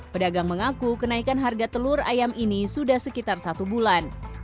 pedagang mengaku kenaikan harga telur ayam ini sudah sekitar satu bulan